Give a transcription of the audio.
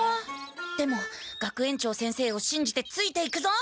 でも学園長先生をしんじてついていくぞ！